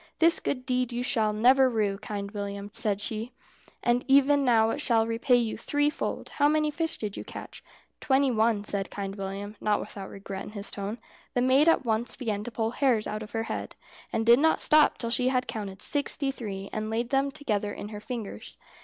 "This good deed you shall never rue, Kind William," said she, "and even now it shall repay you threefold. How many fish did you catch?" "Twenty one," said Kind William, not without regret in his tone. The maid at once began to pull hairs out of her head, and did not stop till she had counted sixty three, and laid them together in her fingers.